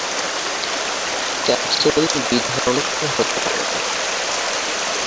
Capsule দুই ধরনের হতে পারে।